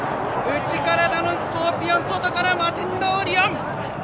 内からダノンスコーピオン外からマテンロウオリオン。